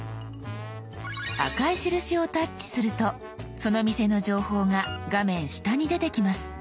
赤い印をタッチするとその店の情報が画面下に出てきます。